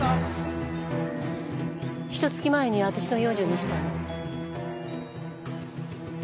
ひと月前に私の養女にしたの。